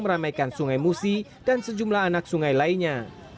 meramaikan sungai musi dan sejumlah anak sungai lainnya